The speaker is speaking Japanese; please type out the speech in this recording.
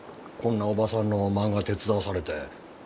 こんなおばさんの漫画手伝わされて。